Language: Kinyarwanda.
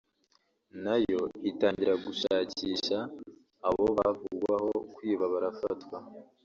na yo itangira gushakisha abo bavugwaho kwiba barafatwa